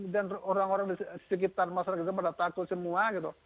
orang orang di sekitar masyarakat itu pada takut semua gitu